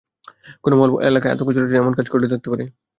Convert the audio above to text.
কোনো মহল এলাকায় আতঙ্ক ছড়ানোর জন্য এমন কাজ করে থাকতে পারে।